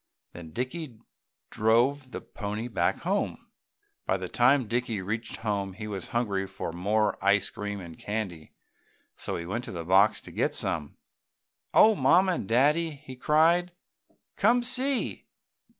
Then Dicky drove the pony back home. By the time Dickie reached home he was hungry for more ice cream and candy, so he went to the box to get some. "Oh Mamma and Daddy!" he cried, "Come see!